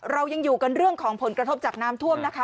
เรายังอยู่กันเรื่องของผลกระทบจากน้ำท่วมนะคะ